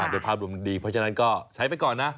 เพราะฉะนั้นก็ใช้ไปก่อนนะ